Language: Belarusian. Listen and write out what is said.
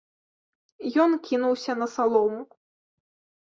Ён кінуўся на салому.